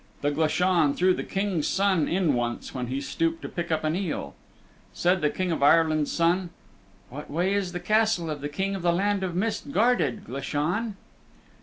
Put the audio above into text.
The Glashan threw the King's Son in once when he stooped to pick up an eel. Said the King of Ireland's Son, "What way is the Castle of the King of the Land of Mist guarded, Glashan?"